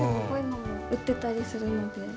こういうのも売ってたりするので。